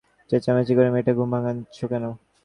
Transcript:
চেঁচামেচি করে মেয়েটার ঘুম ভাঙাচ্ছ কেন?